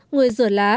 người rửa lá